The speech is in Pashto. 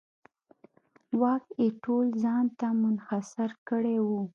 واک یې ټول ځان ته منحصر کړی و.